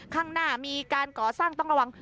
ข้างหน้ามีการก่อสร้างต้องระวัง